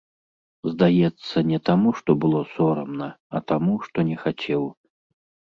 Здаецца, не таму, што было сорамна, а таму, што не хацеў.